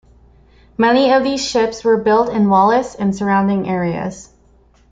Many of these ships were built in Wallace and surrounding areas.